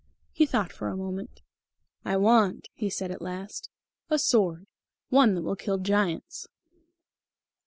He thought for a moment. "I want," he said at last, "a sword. One that will kill giants."